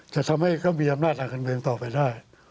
จะทำให้ก็มีอำนาจของเมืองต่อไปได้